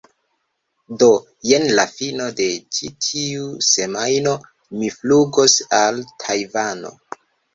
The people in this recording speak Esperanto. do jen la fino de ĉi tiu semajno mi flugos al Tajvano